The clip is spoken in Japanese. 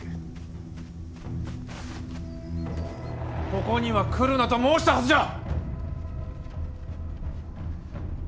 ここには来るなと申したはずじゃ！